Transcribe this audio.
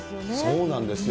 そうなんですよ。